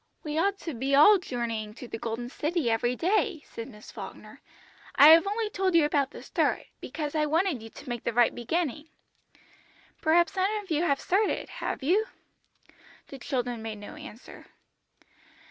"We ought to be all journeying to the Golden City every day," said Miss Falkner. "I have only told you about the start, because I wanted you to make the right beginning. Perhaps some of you have started, have you?" The children made no answer.